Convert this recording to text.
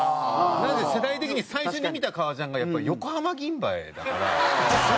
なんせ世代的に最初に見た革ジャンがやっぱり横浜銀蝿だから。